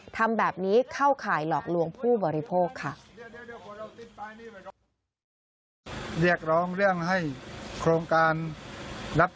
ทำแบบนี้เข้าข่ายหลอกลวงผู้บริโภคค่ะ